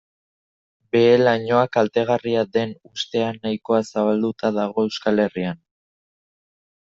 Behe-lainoa kaltegarria den ustea nahikoa zabalduta dago Euskal Herrian.